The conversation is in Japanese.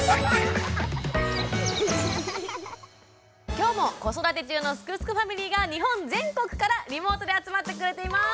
今日も子育て中の「すくすくファミリー」が日本全国からリモートで集まってくれています。